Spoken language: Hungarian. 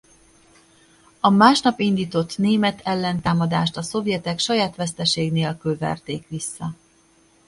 A másnap indított német ellentámadást a szovjetek saját veszteség nélkül verték vissza.